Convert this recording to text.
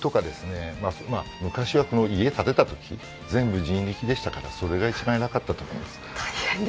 昔はこの家建てたとき、全部人力でしたから、それが一番えらかったと思います。